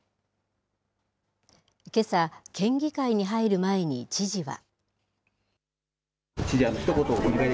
けさ、県議会に入る前に知事は。